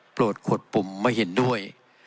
ขวดปุ่มไม่เห็นด้วย